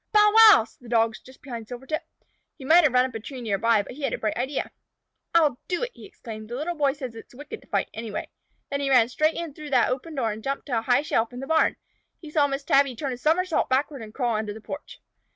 "Bow wow!" said the Dogs just behind Silvertip. He might have run up a tree near by, but he had a bright idea. "I'll do it," he exclaimed. "The Little Boy says it is wicked to fight, anyway." Then he ran straight in through that open door and jumped to a high shelf in the barn. He saw Miss Tabby turn a summersault backward and crawl under the porch.